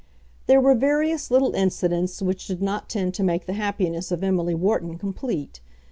There were various little incidents which did not tend to make the happiness of Emily Wharton complete.